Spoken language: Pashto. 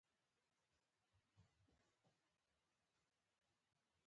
شل زره کسیز لښکر یې درلود.